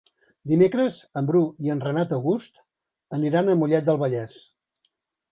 Dimecres en Bru i en Renat August aniran a Mollet del Vallès.